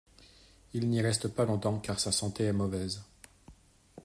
Il n'y reste pas longtemps car sa santé y est mauvaise.